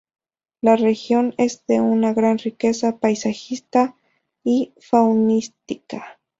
La región es de una gran riqueza paisajística y faunística.